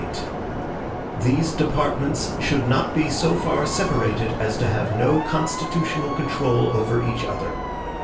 48 These Departments Should Not Be So Far Separated as to Have No Constitutional Control Over Each Other.